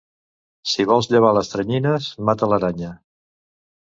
Si vols llevar les teranyines, mata l'aranya.